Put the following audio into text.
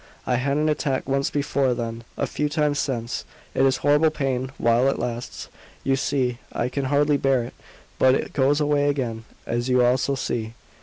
I had an attack once before then a few times since. It is horrible pain while it lasts, you see; I can hardly bear it. But it goes away again, as you also see.